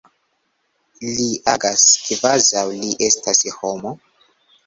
Li agas kvazaŭ li estas homo.